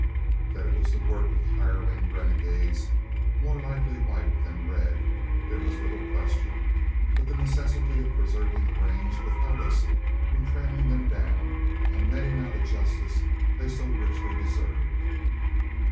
That it was the work of hireling renegades, more likely white than red, there was little question; but the necessity of preserving the range withheld us from trailing them down and meting out a justice they so richly deserved.